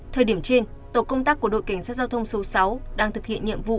thời điểm trên tổ công tác của đội cảnh sát giao thông số sáu đang thực hiện nhiệm vụ